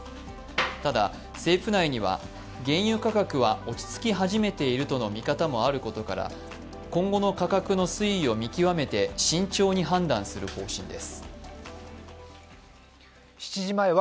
ただ、政府内には、原油価格は落ち着き始めているとの見方もあることから今後の価格の推移を見極めて慎重に判断する方針です。